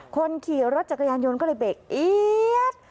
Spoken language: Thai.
คนขี่รถจักรยานยนต์ก็เลยเบรก